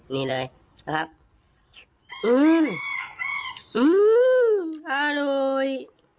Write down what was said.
นี่เลยนะครับอื้มอืมอร่อย